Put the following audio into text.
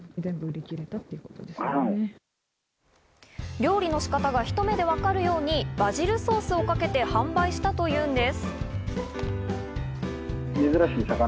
料理の仕方が一目でわかるようにバジルソースをかけて販売したというんです。